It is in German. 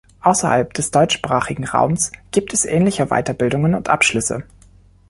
Außerhalb des deutschsprachigen Raums gibt es ähnliche Weiterbildungen und Abschlüsse.